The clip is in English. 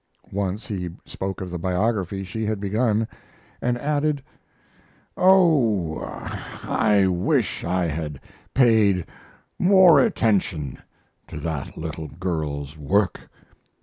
Once he spoke of the biography she had begun, and added: "Oh, I wish I had paid more attention to that little girl's work!